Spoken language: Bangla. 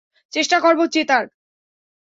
চেষ্টা করবো জেতার।